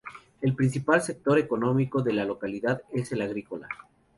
El principal sector económico de la localidad es el agrícola.